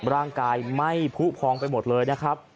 ร่างกายไหม้ผู้พองไปหมดเลยนะครับ